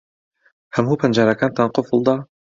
ھەموو پەنجەرەکانتان قوفڵ دا؟